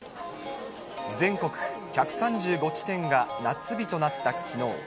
全国１３５地点が夏日となったきのう。